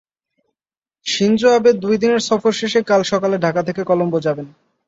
Shinzo Abe দুই দিনের সফর শেষে কাল সকালে ঢাকা থেকে কলম্বো যাবেন।